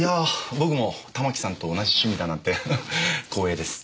僕もたまきさんと同じ趣味だなんて光栄です。